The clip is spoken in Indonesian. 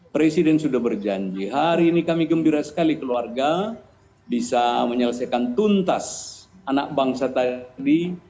presiden sudah berjanji hari ini kami gembira sekali keluarga bisa menyelesaikan tuntas anak bangsa tadi